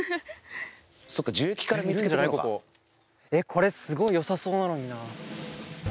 これすごいよさそうなのにな。